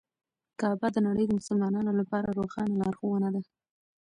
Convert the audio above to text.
کعبه د نړۍ د مسلمانانو لپاره روښانه لارښوونه ده.